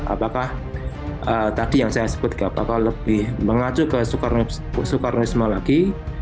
apakah tadi yang saya sebut apakah lebih mengacu ke soekarnoisme lagi